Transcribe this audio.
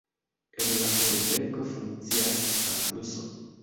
En la urbego funkcias kampuso.